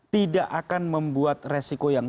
tidak akan membuat resiko yang